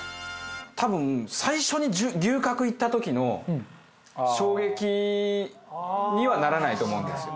多分最初に牛角行った時の衝撃にはならないと思うんですよ。